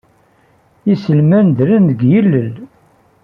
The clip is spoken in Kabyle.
Iselman ddren deg yilel.